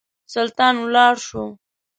سلطان ولاړ شو.